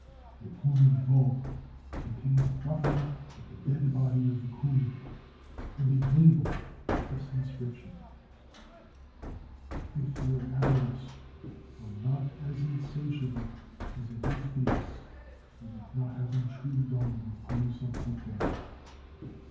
The gloomy vault contained nothing but the dead body of the queen, and a label with this inscription: "If your avarice were not as insatiable as it is base, you would not have intruded on the repose of the dead."